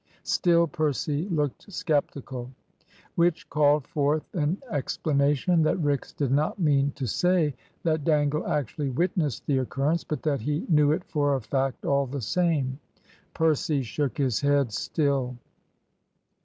Still Percy looked sceptical. Which called forth an explanation that Rix did not mean to say that Dangle actually witnessed the occurrence; but that he knew it for a fact all the same. Percy shook his head still.